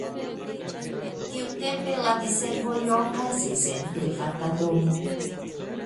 Tiutempe la diservoj okazis en privata domo.